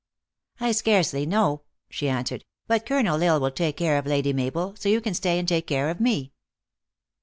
" I scarcely know," she answered; "but Colonel L Isle will take care of Lady Mabel, so you can stay and take care of me."